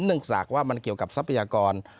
เนื่องจากว่ามันเกี่ยวกับทรัพยากร